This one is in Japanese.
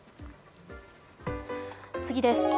次です。